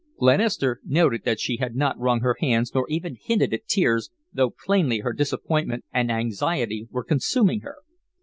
Glenister noted that she had not wrung her hands nor even hinted at tears, though plainly her disappointment and anxiety were consuming her.